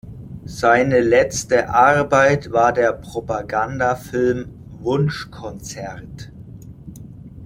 Seine letzte Arbeit war der Propagandafilm "Wunschkonzert".